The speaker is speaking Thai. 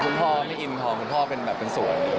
คุณพ่อไม่อินความคุณพ่อเป็นสวย